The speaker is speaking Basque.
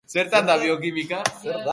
Zer da biokimika?